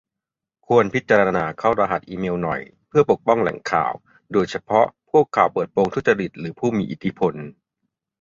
ควรพิจารณาเข้ารหัสอีเมลหน่อย เพื่อปกป้องแหล่งข่าว โดยเฉพาะพวกข่าวเปิดโปงทุจริตหรือผู้มีอิทธิพล